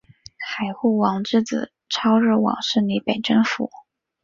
海护王之子超日王势力被征服。